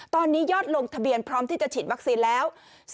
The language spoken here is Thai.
ตอนนี้ยอดลงทะเบียนพร้อมที่จะฉีดวัคซีนแล้ว